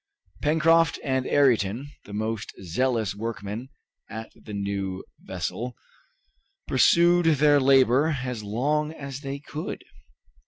Pencroft and Ayrton, the most zealous workmen at the new vessel, pursued their labor as long as they could.